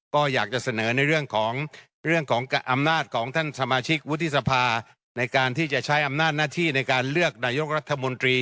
ก็อยากจะเสนอในเรื่องของอำนาจของท่านสมาชิกวุฒิสภาในการที่จะใช้อำนาจหน้าที่ในการเลือกนายกรัฐมนตรี